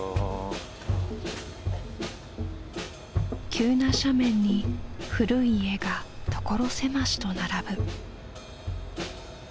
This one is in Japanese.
急な斜面に古い家が所狭しと並ぶ。